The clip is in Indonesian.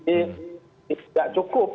ini tidak cukup